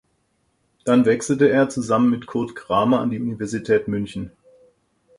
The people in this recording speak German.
Dann wechselte er (zusammen mit Kurt Kramer) an die Universität München.